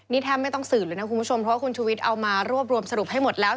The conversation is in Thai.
นี่แทบไม่ต้องสื่อเลยนะคุณผู้ชมเพราะว่าคุณชุวิตเอามารวบรวมสรุปให้หมดแล้ว